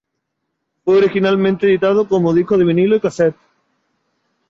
Fue originalmente editado como disco de vinilo y casete.